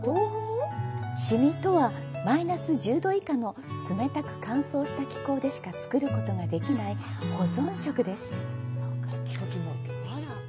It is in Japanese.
「凍み」とはマイナス１０度以下の冷たく乾燥した気候でしか作ることができない保存食です。